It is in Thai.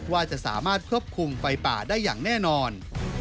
ว่าจะสามารถควบคุมไฟป่าได้อย่างแน่นอน